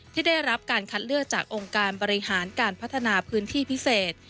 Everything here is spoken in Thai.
ที่ได้รับการคัดเลือกจากองค์การบริหารการพัฒนาพื้นที่พิเศษ